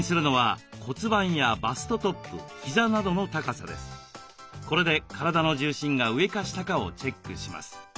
確認するのはこれで体の重心が上か下かをチェックします。